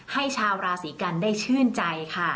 ให้ชาวราศีกรรมได้ชื่นใจค่ะ